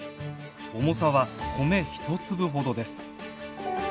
重さは米１粒ほどです。